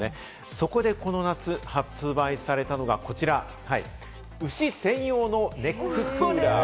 そこでこの夏、発売されたのがこちら、牛専用のネッククーラー。